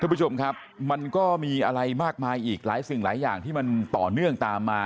คุณผู้ชมครับมันก็มีอะไรมากมายอีกหลายสิ่งหลายอย่างที่มันต่อเนื่องตามมา